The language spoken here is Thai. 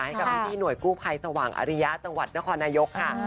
ให้กับพี่หน่วยกู้ภัยสว่างอริยะจังหวัดนครนายกค่ะ